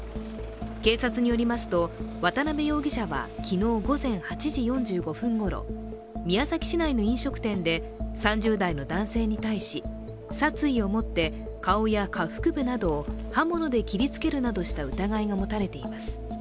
警察によりますと渡邊容疑者は昨日午前８時４５分ごろ、宮崎市内の飲食店で３０代の男性に対し、殺意を持って顔や下腹部などを刃物で切りつけるなどした疑いがもたれています。